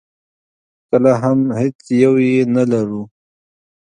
کله هم هېڅ یو یې نه ولرو.